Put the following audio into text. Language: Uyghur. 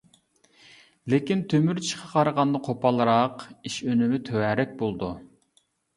لېكىن تۆمۈر چىشقا قارىغاندا قوپالراق، ئىش ئۈنۈمى تۆۋەنرەك بولىدۇ.